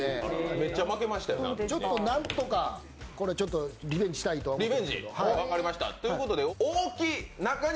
何とかリベンジしたいと思います。